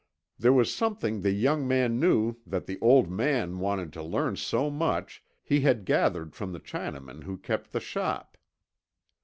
There was something the young man knew that the 'old man' wanted to learn so much, he had gathered from the Chinaman who kept the shop.